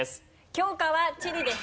教科は地理です。